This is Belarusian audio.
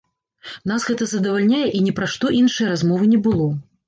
Нас гэта задавальняе і ні пра што іншае размовы не было.